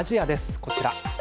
こちら。